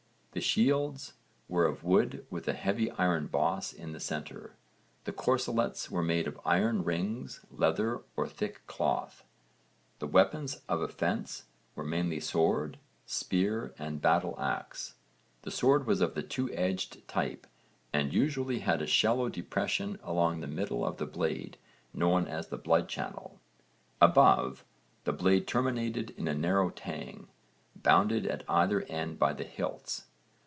The shields were of wood with a heavy iron boss in the centre. The corselets were made of iron rings, leather, or thick cloth. The weapons of offence were mainly sword, spear and battle axe. The sword was of the two edged type and usually had a shallow depression along the middle of the blade, known as the blood channel. Above, the blade terminated in a narrow tang, bounded at either end by the hilts.